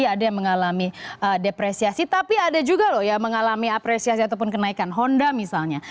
ada yang mengalami depresiasi tapi ada juga loh yang mengalami apresiasi ataupun kenaikan honda misalnya